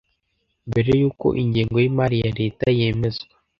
Mbere y uko ingengo y imari ya Leta yemezwa